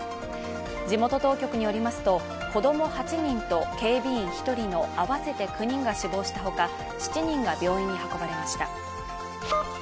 地元当局によりますと、子供８人と警備員１人の合わせて９人が死亡したほか、７人が病院に運ばれました。